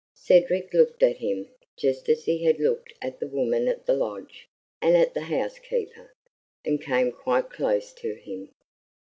Cedric looked at him just as he had looked at the woman at the lodge and at the housekeeper, and came quite close to him.